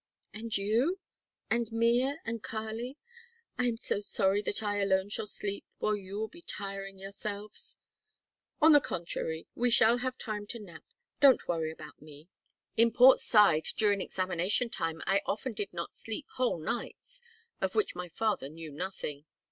"And you and Mea and Kali? I am so sorry that I alone shall sleep while you will be tiring yourselves " "On the contrary, we shall have time to nap. Don't worry about me. In Port Said during examination time I often did not sleep whole nights; of which my father knew nothing.